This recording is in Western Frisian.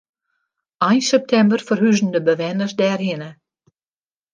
Ein septimber ferhuzen de bewenners dêrhinne.